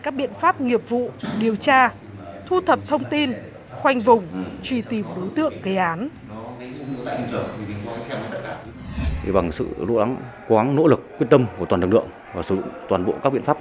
đặc biệt là những chú chó vật nuôi của nhiều gia đình